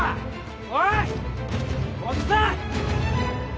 おいっおっさん！